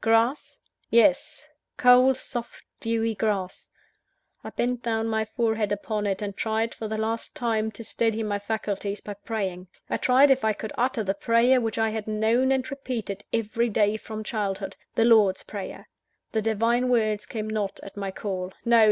Grass? yes! cold, soft, dewy grass. I bent down my forehead upon it, and tried, for the last time, to steady my faculties by praying; tried if I could utter the prayer which I had known and repeated every day from childhood the Lord's Prayer. The Divine Words came not at my call no!